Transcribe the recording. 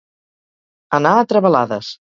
Anar a travelades.